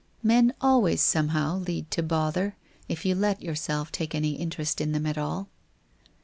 Men always somehow lead to bother, if you let yourself take any interest in them at all.